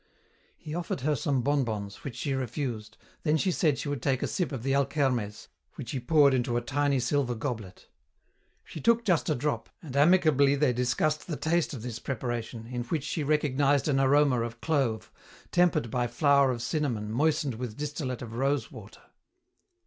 He offered her some bonbons, which she refused, then she said she would take a sip of the alkermes, which he poured into a tiny silver goblet. She took just a drop, and amicably they discussed the taste of this preparation, in which she recognized an aroma of clove, tempered by flower of cinnamon moistened with distillate of rose water.